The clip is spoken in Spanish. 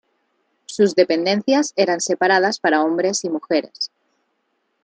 Sus dependencias eran separadas para hombres y mujeres.